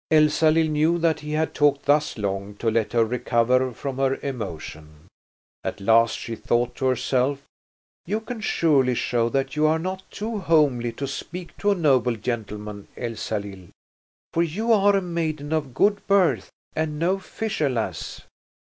Elsalill knew that he had talked thus long to let her recover from her emotion. At last she thought to herself: "You can surely show that you are not too homely to speak to a noble gentleman, Elsalill! For you are a maiden of good birth and no fisher lass."